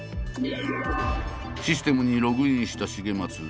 システムにログインした重松。